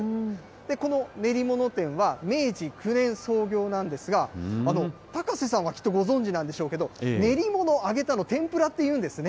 この練り物店は、明治９年創業なんですが、高瀬さんはきっとご存じなんでしょうけれども、練り物揚げたの、天ぷらっていうんですね。